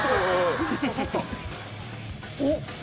おっ！